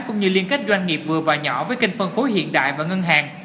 cũng như liên kết doanh nghiệp vừa và nhỏ với kênh phân phối hiện đại và ngân hàng